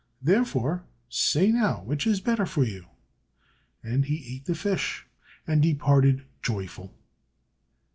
Therefore, say now, which is the better for you?" And he ate the fish, and departed joyful.